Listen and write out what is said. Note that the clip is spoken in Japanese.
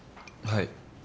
はい。